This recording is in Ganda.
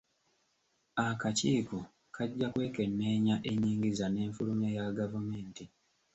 Akakiiko kajja kwekenneenya ennyingiza n'enfulumya ya gavumenti.